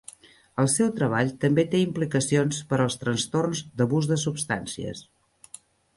El seu treball també té implicacions per als trastorns d"abús de substàncies.